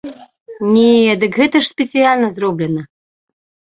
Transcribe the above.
Не, дык гэта ж спецыяльна зроблена!